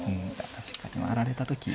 確かに回られた時。